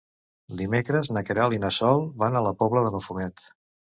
Dimecres na Queralt i na Sol van a la Pobla de Mafumet.